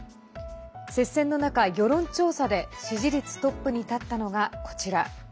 接戦の中、世論調査で支持率トップに立ったのがこちら。